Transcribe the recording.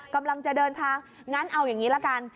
กำลังจะเดินทางงั้นเอาอย่างนี้ละกัน